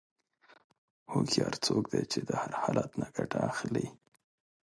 هوښیار څوک دی چې د هر حالت نه ګټه اخلي.